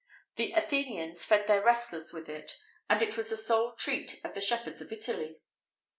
[XVIII 50] The Athenians fed their wrestlers with it,[XVIII 51] and it was the sole treat of the shepherds of Italy.